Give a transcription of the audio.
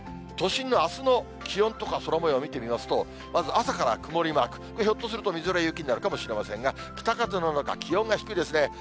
都心のあすの気温とか空もようを見てみますと、まず朝から曇りマーク、ひょっとすると、みぞれや雪になるかもしれませんが、北風の中、気温が低いですね。